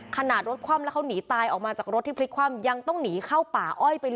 ขนาดรถคว่ำแล้วเขาหนีตายออกมาจากรถที่พลิกคว่ำ